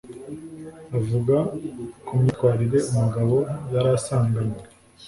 Avuga ku myitwarire umugabo yari asanganwe